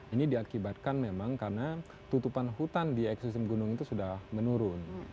ini diakibatkan memang karena tutupan hutan di ekosistem gunung itu sudah menurun